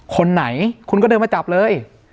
คนไหนคุณก็เดินมาจับเลย